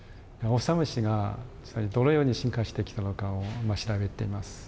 オサムシがどのように進化してきたのかを調べています。